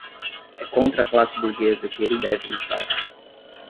é contra a classe burguesa que ele deve lutar